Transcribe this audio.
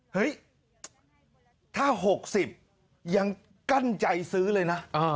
เฮ้ยถ้า๖๐ยังกั้นใจซื้อเลยนะ